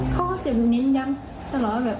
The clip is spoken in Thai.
เขาสติ่ปนิ้นดับตลอด